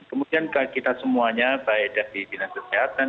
kemudian kita semuanya baik dari binas kesehatan